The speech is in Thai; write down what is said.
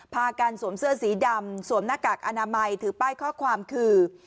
พากันสวมเสื้อสีดำสวมหน้ากากอนามัยถือป้ายข้อความคือ